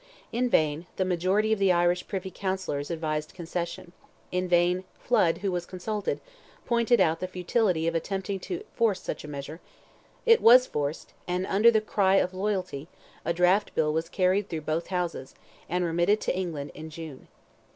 In vain, the majority of the Irish privy counsellors advised concession; in vain, Flood, who was consulted, pointed out the futility of attempting to force such a measure; it was forced, and, under the cry of loyalty, a draft bill was carried through both Houses, and remitted to England in June.